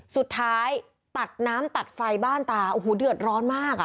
สุดท้ายตัดน้ำตัดไฟบ้านตาโอ้โหเดือดร้อนมากอ่ะ